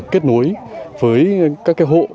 kết nối với các cái hộ